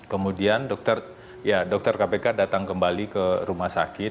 kemudian dokter kpk datang kembali ke rumah sakit